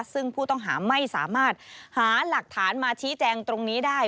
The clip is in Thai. ซึ่งผู้ต้องหาไม่สามารถหาหลักฐานมาชี้แจงตรงนี้ได้